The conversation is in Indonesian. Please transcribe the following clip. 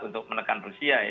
untuk menekan rusia